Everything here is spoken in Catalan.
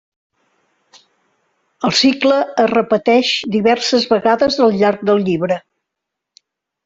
El cicle es repeteix diverses vegades al llarg del llibre.